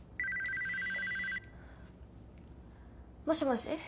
もしもし？